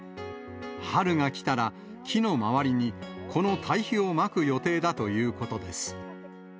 春が来たら、木の周りにこの堆肥をまく予定だということです。